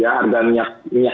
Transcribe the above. harga minyak menengah